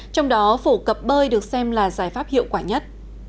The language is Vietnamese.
trong đó phổ cập bơi được xem là giải pháp hiệu quả nhất